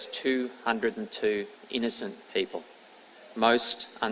pertama orang orang yang tidak berhubungan